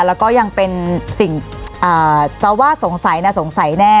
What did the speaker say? แล้วก็ยังเป็นสิ่งจะว่าสงสัยนะสงสัยแน่